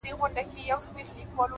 بس ژونده همدغه دی; خو عیاسي وکړه;